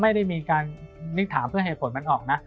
ไม่ได้มีการนิกถามเพื่อให้ผลมันออกนะ